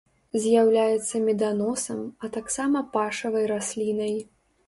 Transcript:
З'яўляецца меданосам, а таксама пашавай раслінай.